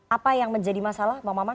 apa yang menjadi masalah bang maman